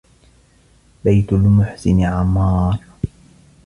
بيت المحسن عمار